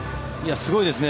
すごいですね。